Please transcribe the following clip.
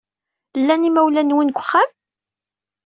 Llan yimawlan-nwen deg uxxam?